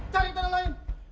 cari tanah lain